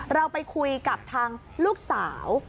เราไปคุยกับทางลูกสาว